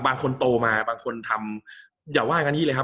บางคนโตมาบางคนทำอย่าว่ากันนี้เลยครับ